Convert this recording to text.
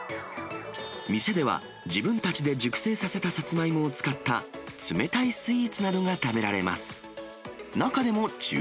店では、自分たちで熟成させたサツマイモを使った冷たいスイーツなどが食べられます。